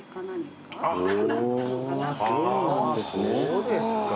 はあそうですか。